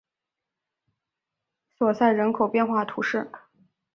索赛人口变化图示